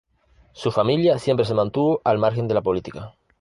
Su familia siempre se mantuvo al margen de la política.